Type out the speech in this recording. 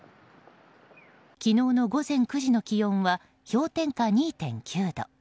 昨日の午前９時の気温は氷点下２．９度。